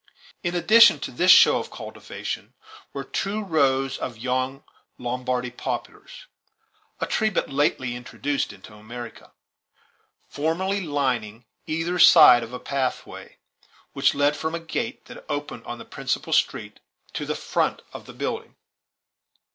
In addition to this show of cultivation were two rows of young Lombardy poplars, a tree but lately introduced into America, formally lining either side of a pathway which led from a gate that opened on the principal street to the front door of the building.